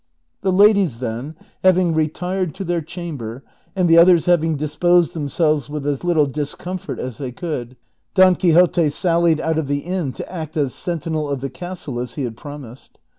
The ladies, then, having retired to their chamber, and the others having disposed themselves with as little discomfort as they could, Don Quixote sallied out of the inn to act as sentinel of the castle as he had promised.